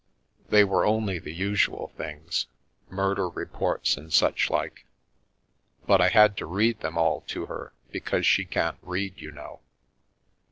They were only the usual things — murder reports and suchlike, but I had to read them all to her, because she can't read, you know.